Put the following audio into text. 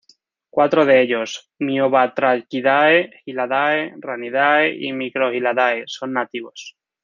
Cuatro de ellos: Myobatrachidae, Hylidae, Ranidae y Microhylidae` son nativos.